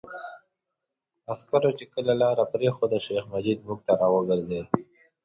عسکرو چې کله لاره پرېښوده، شیخ مجید موږ ته را وګرځېد.